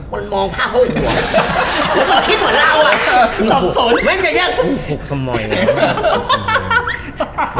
มันมองภาพเพราะหัว